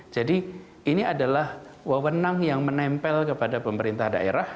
jadi ini adalah wawenang yang menempel kepada pemerintah daerah